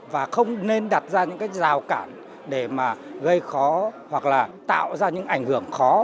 và không nên đặt ra những rào cản để gây khó hoặc là tạo ra những ảnh hưởng khó